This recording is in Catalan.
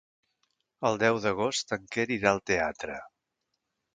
El deu d'agost en Quer irà al teatre.